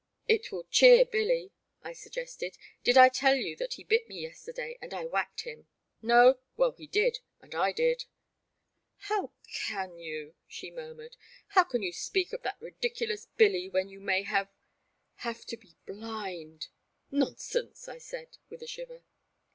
" It will cheer Billy," I suggested ;'* did I tell you that he bit me yesterday and I whacked him ? No ? Well, he did, and I did." How can you !" she murmured ;how can you speak of that ridiculous Billy when you may have — have to be blind ?"Nonsense," I said, with a shiver.